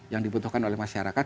yang dibutuhkan oleh masyarakat